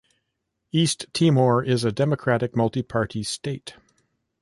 East Timor is a democratic, multi-party state.